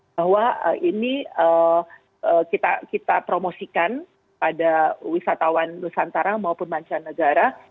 bahwa ini kita promosikan pada wisatawan nusantara maupun mancanegara